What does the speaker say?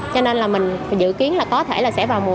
cho nên là mình dự kiến là có thể là sẽ vào mùa